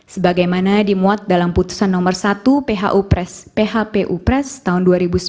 sebagaimana dimuat dalam putusan nomor satu phpu pres tahun dua ribu sembilan belas